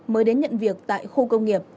mới đến nhận việc tại khu công nghiệp